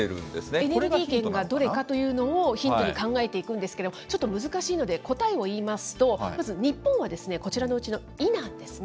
エネルギー源がどれかというのをヒントに考えていくんですけど、ちょっと難しいので答えを言いますと、まず日本はですね、こちらのうちのイなんですね。